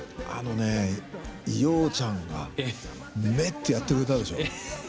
あのね洋ちゃんが「めッ」ってやってくれたでしょ。